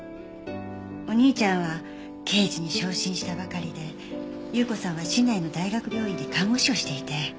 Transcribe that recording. お兄ちゃんは刑事に昇進したばかりで有雨子さんは市内の大学病院で看護師をしていて。